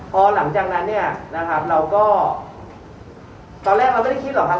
พอหลังจากนั้นเนี่ยนะครับเราก็ตอนแรกเราไม่ได้คิดหรอกครับ